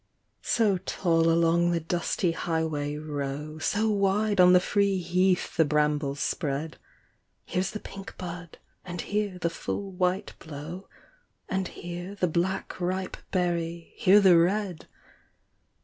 So tall along the dusty highway row. So wide on the free heath the brambles spread ; Here's the pink bud, and here the full white blow. And here the black ripe berry, here the red.